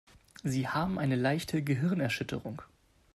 Sie haben eine leichte Gehirnerschütterung.